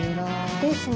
ですね。